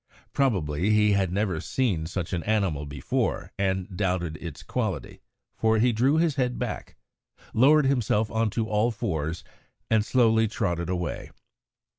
Probably he had never seen such an animal before and doubted its quality, for he drew his head back, lowered himself on to all fours, and slowly trotted away.